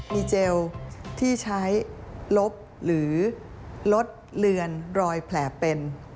มีเจลที่ใช้ลบหรือลดเลือนรอยแผลเป็น